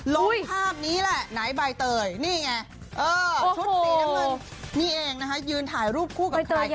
ภาพนี้แหละไหนใบเตยนี่ไงชุดสีน้ำเงินนี่เองนะคะยืนถ่ายรูปคู่กับใคร